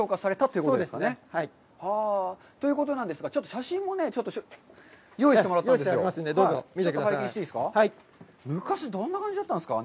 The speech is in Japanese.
そうですね。ということなんですが、ちょっと写真を用意してもらったんですよ。